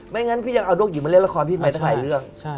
ไม่งั้นพี่ยังเอาโรคหญิงมาเล่นละครพี่ไม่ได้ถ่ายเรื่อง